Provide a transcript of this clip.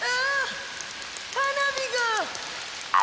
花火が。